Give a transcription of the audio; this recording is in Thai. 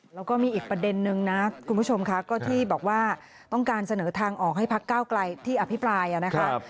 แล้วก็มีอีกประเด็นนึงนะคุณผู้ชมค่ะก็ที่บอกว่าต้องการเสนอทางออกให้พักเก้าไกลที่อภิปรายนะครับ